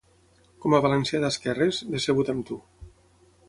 Com a valencià d'esquerres, decebut amb tu.